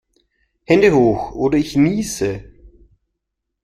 Hände hoch oder ich niese!